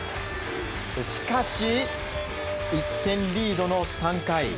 しかし、１点リードの３回。